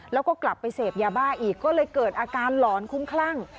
แล้วก็กลับไปเสพยาบ้าอีกก็เลยเกิดอาการหลอนคุ้มคลั่ง